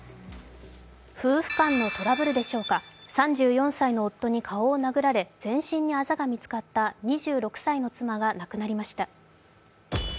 夫婦間のトラブルでしょうか、３４歳の夫に顔を殴られ、全身にあざが見つかった２６歳の妻が死亡しました。